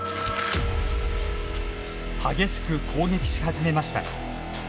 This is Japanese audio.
激しく攻撃し始めました。